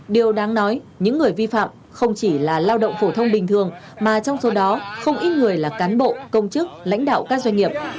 điều đáng nói những người vi phạm không chỉ là lao động phổ thông bình thường mà trong số đó không ít người là cán bộ công chức lãnh đạo các doanh nghiệp